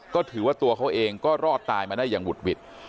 ก็ถือว่าตัวเขาเองก็รอดตายมาได้อย่างหุดหวิด